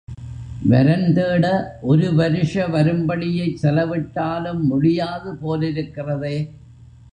வரன் தேட ஒரு வருஷ வரும்படியைச் செலவிட்டாலும் முடியாது போலிருக்கிறதே.